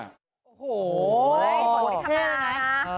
โอ้โฮโอเคไหม